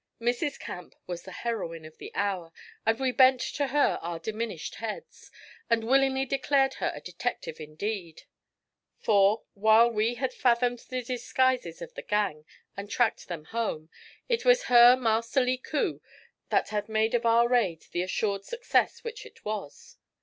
Mrs. Camp was the heroine of the hour, and we bent to her our diminished heads, and willingly declared her a detective indeed; for, while we had fathomed the disguises of the gang and tracked them home, it was her masterly coup that had made of our raid the assured success which it was.